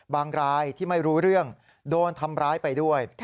รายที่ไม่รู้เรื่องโดนทำร้ายไปด้วย